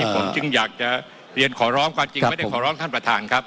ผมจึงอยากจะเรียนขอร้องความจริงไม่ได้ขอร้องท่านประธานครับ